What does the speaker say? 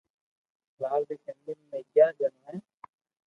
لال ري فيملي مي اگياري جڻو ھي